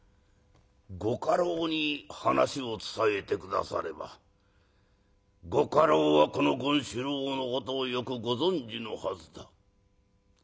「ご家老に話を伝えて下さればご家老はこの権四郎のことをよくご存じのはずだ。